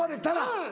うん。